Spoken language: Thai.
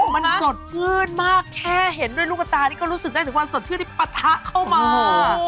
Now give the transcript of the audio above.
มันสดชื่นมากแค่เห็นด้วยลูกตานี่ก็รู้สึกได้ถึงความสดชื่นที่ปะทะเข้ามา